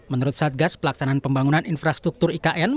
menurut satgas pelaksanaan pembangunan infrastruktur ikn